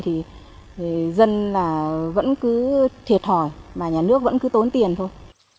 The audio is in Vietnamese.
thì dân là vẫn cứ thiệt hỏi mà nhà nước vẫn cứ tốn tiền thôi